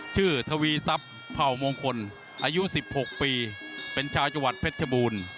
ชื่อทวีซัปผ่าวงคลอายุสิบหกปีเป็นชาวจัวรรดิเพชรฉบูน